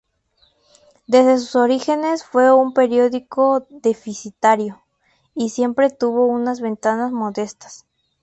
Desde sus orígenes fue un periódico deficitario, y siempre tuvo unas ventas modestas.